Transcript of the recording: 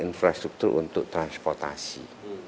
infrastruktur untuk transportasi